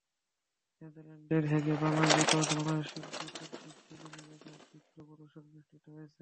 নেদারল্যান্ডসের হেগে বাংলাদেশ দূতাবাসে বাংলাদেশি শিল্পী খুরশীদ সেলিমের একক চিত্র প্রদর্শনী অনুষ্ঠিত হয়েছে।